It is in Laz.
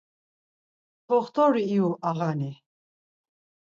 Ťoxt̆ori iyu, ağani.